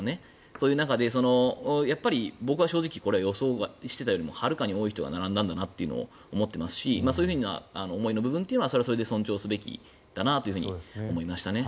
そういう中で僕は正直予想していたよりもはるかに多い人が並んだんだなというのを思っていますしそういうふうな思いの部分はそれはそれで尊重すべきだなと思いましたね。